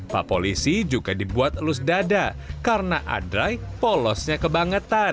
pak polisi juga dibuat elus dada karena adrai polosnya kebangetan